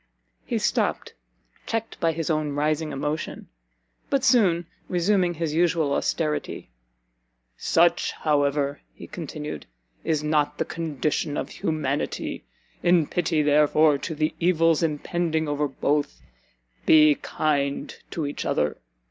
He stopt, checked by his own rising emotion; but soon resuming his usual austerity, "Such, however," he continued, "is not the condition of humanity; in pity, therefore, to the evils impending over both, be kind to each other!